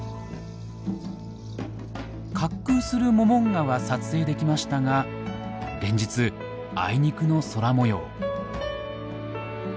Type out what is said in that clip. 滑空するモモンガは撮影できましたが連日あいにくの空もよう。